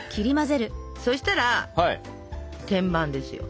そしたら天板ですよ。